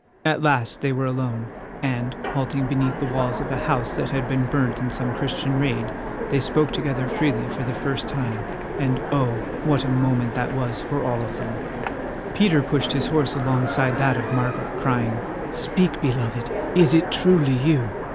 At last they were alone and, halting beneath the walls of a house that had been burnt in some Christian raid, they spoke together freely for the first time, and oh! what a moment was that for all of them! Peter pushed his horse alongside that of Margaret, crying: "Speak, beloved. Is it truly you?"